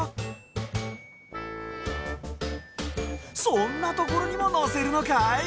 そんなところにものせるのかい？